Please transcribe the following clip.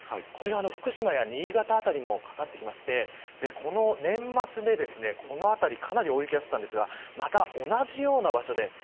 これが福島や新潟辺りにもかかってきましてこの年末でこの辺り、大雪が降ったんですがまた同じような場所